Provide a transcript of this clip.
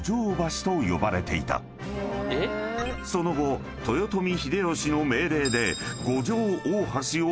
［その後豊臣秀吉の命令で］